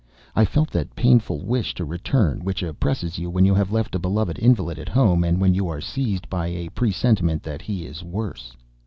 I felt that painful wish to return which oppresses you when you have left a beloved invalid at home, and when you are seized by a presentiment that he is worse.